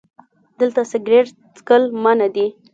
🚭 دلته سګرټ څکل منع دي